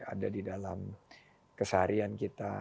ada di dalam keseharian kita